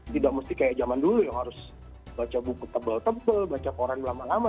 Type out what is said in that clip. tidak mesti kayak zaman dulu yang harus baca buku tebal tebal baca koran lama lama